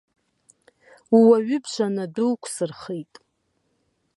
Ууаҩы бжаны адәы уқәсырхеит.